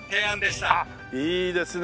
いいですね。